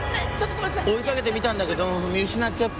追いかけてみたんだけど見失っちゃって。